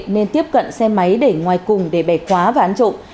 nên tiếp cận xe máy để ngoài cùng để bẻ khóa và án trộm